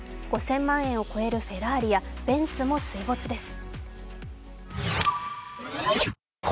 ５０００万円を超えるフェラーリやベンツも水没です。